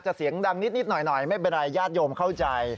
เสียงดังนิดหน่อยไม่เป็นไรญาติโยมเข้าใจ